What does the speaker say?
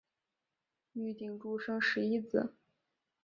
玉鼎柱生十一子。